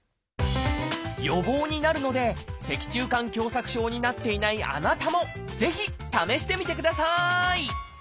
予防になるので脊柱管狭窄症になっていないあなたもぜひ試してみてください！